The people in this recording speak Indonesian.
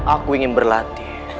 aku ingin berlatih